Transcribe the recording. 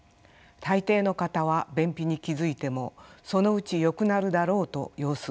大抵の方は便秘に気付いてもそのうちよくなるだろうと様子を見ています。